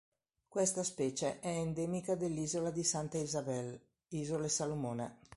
Questa specie è endemica dell'Isola di Santa Isabel, Isole Salomone.